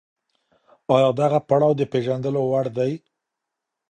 آيا دغه پړاو د پېژندلو وړ دی؟